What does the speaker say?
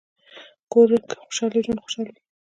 کور که خوشحال وي، ژوند خوشحال وي.